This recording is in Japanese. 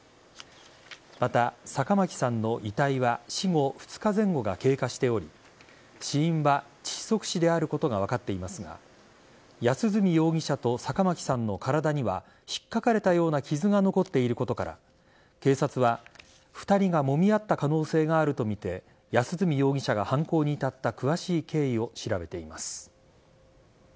また、坂巻さんの遺体は死後２日前後が経過しており死因は、窒息死であることが分かっていますが安栖容疑者と坂巻さんの体には引っかかれたような傷が残っていることから警察は、２人がもみ合った可能性があるとみて安栖容疑者が犯行に至った詳しい経緯を調べています。